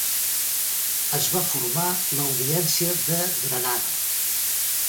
Es va formar l'Audiència de Granada.